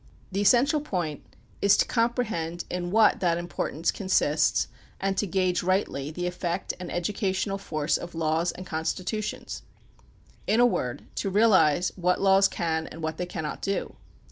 The essential point is to comprehend in what that importance consists and to gauge rightly the effect and educational force of laws and constitu tions; in a word, to realize what laws can and what they cannot do.